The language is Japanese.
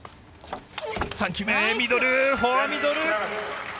さあ、ミドル、フォアミドル。